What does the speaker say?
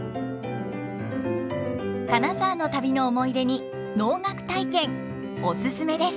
金沢の旅の思い出に能楽体験お勧めです！